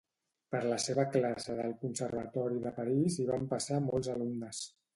Per la seva classe del Conservatori de París hi van passar molts alumnes.